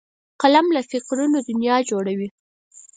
قلم له فکرونو دنیا جوړوي